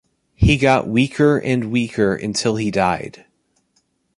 He got weaker and weaker until he died.